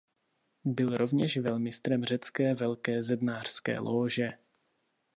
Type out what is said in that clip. Byl rovněž velmistrem řecké velké zednářské lóže.